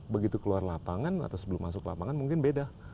begitu keluar lapangan atau sebelum masuk lapangan mungkin beda